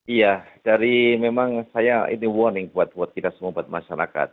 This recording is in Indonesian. iya dari memang saya ini warning buat kita semua buat masyarakat